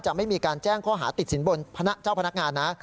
ไม่มีการแจ้งข้อหาติดสินบนเจ้าพนักงานนะ